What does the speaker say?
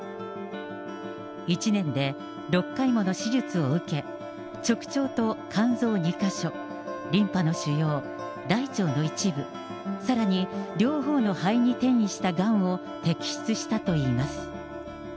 １年で６回もの手術を受け、直腸と肝臓２か所、リンパの腫よう、大腸の一部、さらに両方の肺に転移したがんを摘出したといいます。